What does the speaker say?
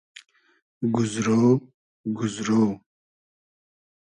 گوزرۉ گوزرۉ